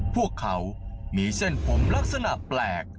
พวกเขามีเส้นผมลักษณะแปลก